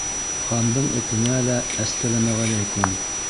Хандың этенә лә «әссәләмәғәләйкүм!»